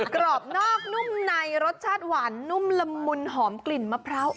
กรอบนอกนุ่มในรสชาติหวานนุ่มละมุนหอมกลิ่นมะพร้าว